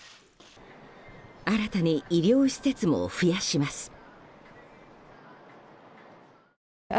新たに医療施設も増やします。